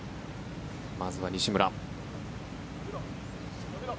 まずは西村。